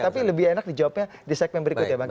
tapi lebih enak dijawabnya di segmen berikut ya bang